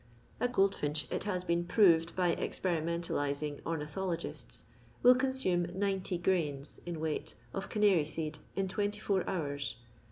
A goldfinch, it has been proved by experimen talising ornithologists, will consume 90 grains, in weis^t, of canary seed in 24 hours.